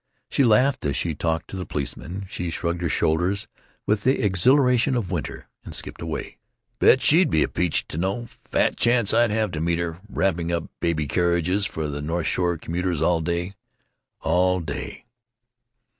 She laughed as she talked to the policeman, she shrugged her shoulders with the exhilaration of winter, and skipped away. "Bet she'd be a peach to know.... Fat chance I'd have to meet her, wrapping up baby carriages for the North Shore commuters all day! All day!...